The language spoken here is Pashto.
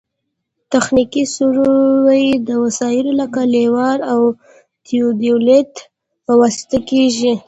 تخنیکي سروې د وسایلو لکه لیول او تیودولیت په واسطه کیږي